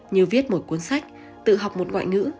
như viết một cuốn sách tự học một ngoại ngữ